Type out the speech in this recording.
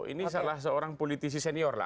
ini salah seorang politisi senior lah